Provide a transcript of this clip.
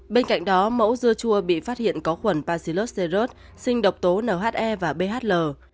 bên cạnh đó mẫu dưa chua bị phát hiện có khuẩn palsilocerat sinh độc tố nhe và bhl